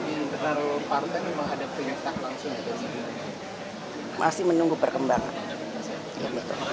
jadi terlalu parutnya memang ada pergesak langsung